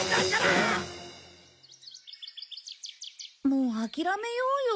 もう諦めようよ。